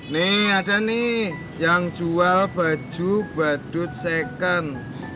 nih ada nih yang jual baju badut second